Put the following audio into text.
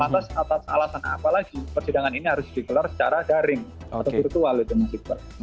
lantas atas alasan apa lagi persidangan ini harus dikelar secara daring atau virtual itu mas gibran